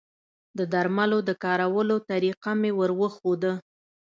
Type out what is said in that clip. د درملو د کارولو طریقه مې وروښوده